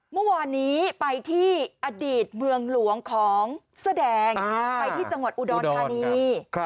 เมื่อวานนี้ไปที่อดีตเมืองหลวงของเสื้อแดงไปที่จังหวัดอุดรธานี